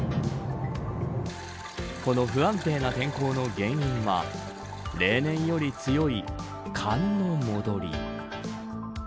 この不安定な天候の原因は例年より強い、寒の戻り。